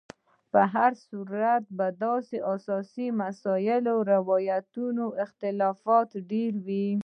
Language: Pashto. په هر صورت په داسې مسایلو کې روایتونو او اختلافات ډېر وي.